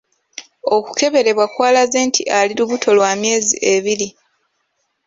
Okukeberwa kwalaze nti ali lubuto lwa myezi ebiri.